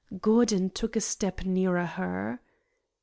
Gordon took a step nearer her.